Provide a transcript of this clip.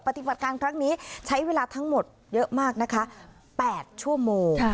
ปฏิบัติการครั้งนี้ใช้เวลาทั้งหมดเยอะมากนะคะ๘ชั่วโมง